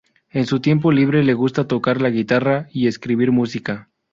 En su tiempo libre, le gusta tocar la guitarra y escribir música.